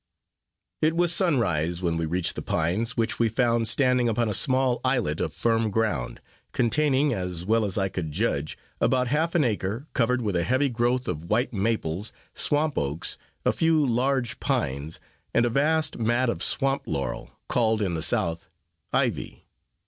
It was sunrise when we reached the pines, which we found standing upon a small islet of firm ground, containing, as well as I could judge, about half an acre, covered with a heavy growth of white maples, swamp oaks, a few large pines, and a vast mat of swamp laurel, called in the South ivy.